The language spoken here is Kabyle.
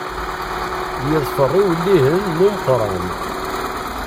Yeḍfer iwellihen n umeqqran.